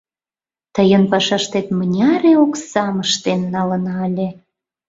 Тыйын пашаштет мыняре оксам ыштен налына ыле.